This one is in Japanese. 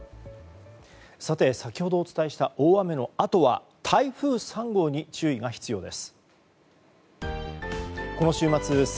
さて先ほどお伝えした大雨のあとは台風３号に注意が必要です。